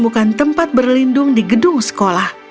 mereka menemukan tempat berlindung di gedung sekolah